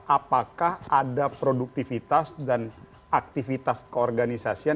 apakah ada produktivitas dan aktivitas keorganisasian